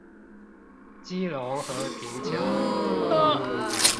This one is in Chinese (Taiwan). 基隆和平橋